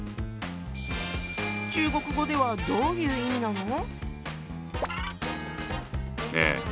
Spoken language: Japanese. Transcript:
中国語ではどういう意味なの？